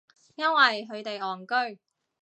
因為佢哋戇居